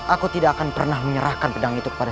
aku tidak akan pernah menyatakan perempuan tersebut